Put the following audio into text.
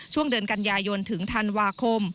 ช่วงเดือนกันยายนถึงธันวาคม